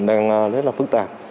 đang rất là phức tạp